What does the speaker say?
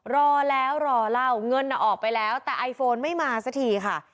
รอแล้วรอเล่าเงินออกไปแล้วแต่ไอโฟนไม่มาสักทีค่ะ